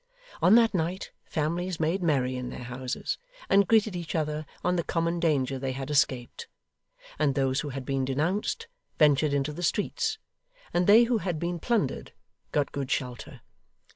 On that night, families made merry in their houses, and greeted each other on the common danger they had escaped; and those who had been denounced, ventured into the streets; and they who had been plundered, got good shelter.